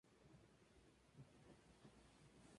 La ciudad homónima se encuentra al oeste del lago.